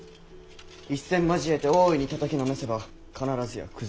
一戦交えて大いにたたきのめせば必ずや崩れましょう。